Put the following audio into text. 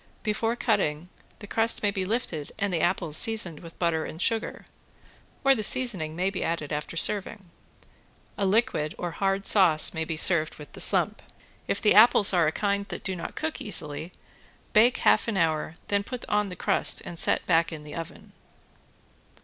Before cutting, the crust may be lifted and the apples seasoned with butter and sugar, or the seasoning may be added after serving. A liquid or a hard sauce may be served with the slump. If the apples are a kind that do not cook easily bake half an hour, then put on the crust and set back in the oven.